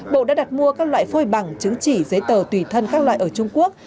bộ đã đặt mua các loại phôi bằng chứng chỉ giấy tờ tùy thân các loại ở trung quốc